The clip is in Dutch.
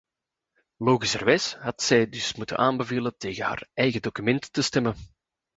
Logischerwijs had zij dus moeten aanbevelen tegen haar eigen document te stemmen.